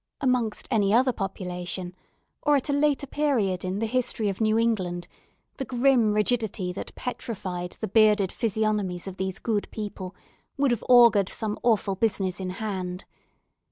Amongst any other population, or at a later period in the history of New England, the grim rigidity that petrified the bearded physiognomies of these good people would have augured some awful business in hand.